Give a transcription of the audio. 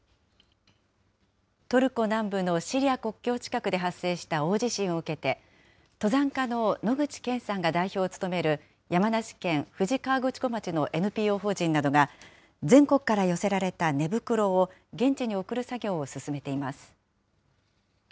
トルコ南部のシリア国境近くで発生した大地震を受けて、登山家の野口健さんが代表を務める山梨県富士河口湖町のＮＰＯ法人などが、全国から寄せられた寝袋を現地に送る作業を進めています。